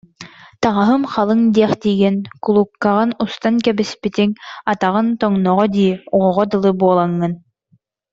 Таҥаһым халыҥ диэхтиигин, куллукаҕын устан кэбиспитиҥ атаҕыҥ тоҥноҕо дии, оҕоҕо дылы буолаҥҥын